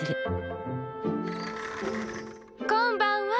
こんばんは。